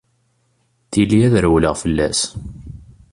Tili ad rewleɣ fell-as.